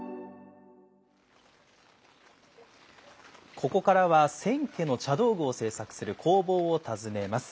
ここからは千家の茶道具を製作する工房を訪ねます。